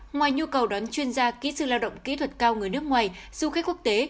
ngoài nhu cầu đón chuyên gia kỹ sư lao động kỹ thuật cao người nước ngoài du khách quốc tế